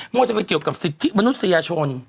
ก็จะมีเกี่ยวกับสิทธิ์มนุษยาชน